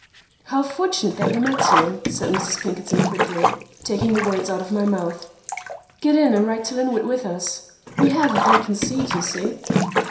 "How fortunate that we met you," said Mrs. Pinkerton quickly, taking the words out of my mouth. "Get in and ride to Linwood with us. We have a vacant seat, you see."